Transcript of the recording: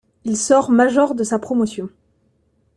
Il sort major de sa promotion.